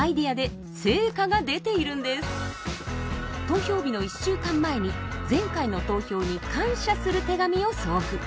投票日の１週間前に前回の投票に感謝する手紙を送付。